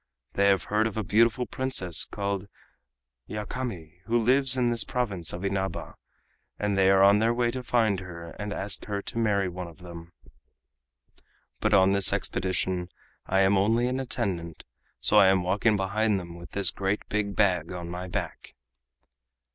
They have heard of a beautiful Princess called Yakami who lives in this province of Inaba, and they are on their way to find her and to ask her to marry one of them. But on this expedition I am only an attendant, so I am walking behind them with this great big bag on my back."